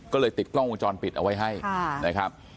ก็เลยติดกล้องวงจรปิดเอาไว้ให้นะครับ